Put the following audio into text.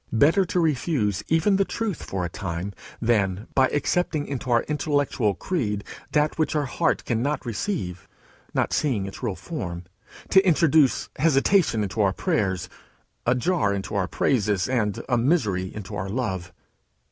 Better to refuse even the truth for a time, than, by accepting into our intellectual creed that which our heart cannot receive, not seeing its real form, to introduce hesitation into our prayers, a jar into our praises, and a misery into our love.